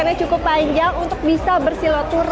aminah alaikum warahmatullahi wabarakatuh